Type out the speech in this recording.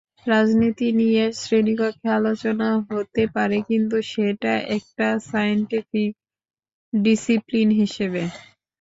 রাজনীতি নিয়ে শ্রেণিকক্ষে আলোচনা হতে পারে, কিন্তু সেটা একটা সায়েন্টিফিক ডিসিপ্লিন হিসেবে।